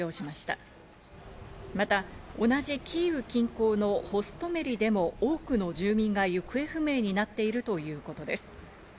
また、同じキーウ近郊のホストメリでも多くの住人が行方不明になっているということです。